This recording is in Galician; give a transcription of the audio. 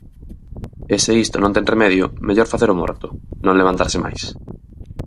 E se isto non ten remedio, mellor facer o morto, non levantarse máis.